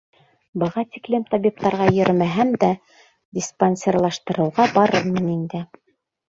Быға тиклем табиптарға йөрөмәһәм дә, диспансерлаштырыуға барырмын инде.